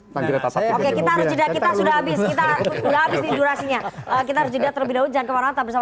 oke kita harus juda kita sudah habis